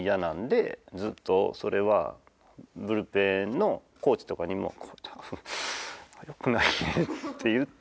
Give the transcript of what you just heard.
ずっとそれはブルペンのコーチとかにもよくないねって言ってて。